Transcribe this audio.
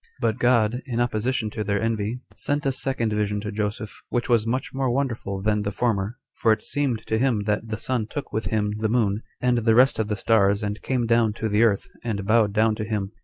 3. But God, in opposition to their envy, sent a second vision to Joseph, which was much more wonderful than the former; for it seemed to him that the sun took with him the moon, and the rest of the stars, and came down to the earth, and bowed down to him.